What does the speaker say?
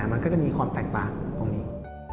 มันก็จะมีความแตกต่างตรงนี้